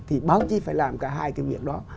thì báo chí phải làm cả hai cái việc đó